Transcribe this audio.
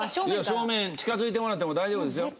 正面近づいてもらっても大丈夫ですよ。